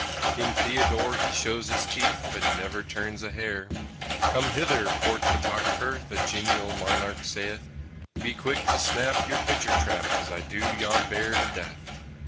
King Theodore he shows his teeth, But he never turns a hair. "Come hither, Court Photographer," The genial monarch saith, "Be quick to snap your picture trap As I do yon Bear to death."